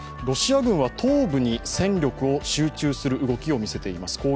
ロシア軍は東部に戦力を集中する動きを見せています。